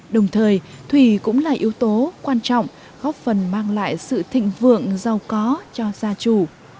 đồng thời thủy cũng là yếu tố quan trọng góp phần mang lại sự thịnh vượng giàu có cho gia chủ